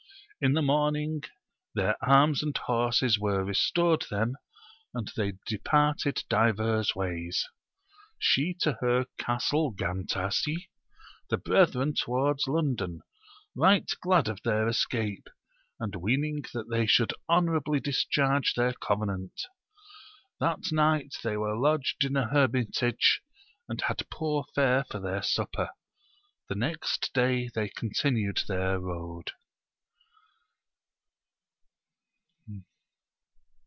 In the morning their arms and horses were restored them, and they departed divers ways ; she to her castle Gantasi, the brethren towards London, right glad of their escape, and weening that they should honourably discharge their covenant. That night they were lodged in a hermitage, and had poor fare for their supper; the next day they continued their road.